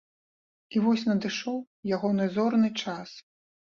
І вось надышоў ягоны зорны час.